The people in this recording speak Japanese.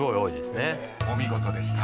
［お見事でした。